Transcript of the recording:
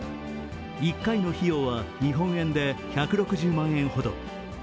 １回の費用は日本円で１６０万円ほど。